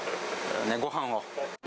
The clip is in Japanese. ごはんを。